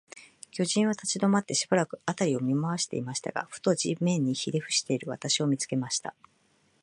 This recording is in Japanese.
巨人は立ちどまって、しばらく、あたりを見まわしていましたが、ふと、地面にひれふしている私を、見つけました。